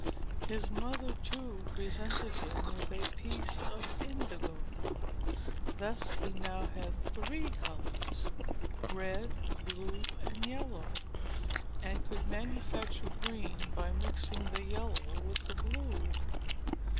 His mother, too, presented him with a piece of indigo. Thus he now had three colors,—red, blue, and yellow—and could manufacture green, by mixing the yellow with the blue.